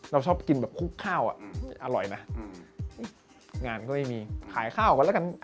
เราชอบกินแบบคุกข้าวอ่ะอร่อยนะงานก็ไม่มีขายข้าวกันแล้วกัน